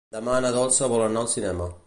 Demà na Dolça vol anar al cinema.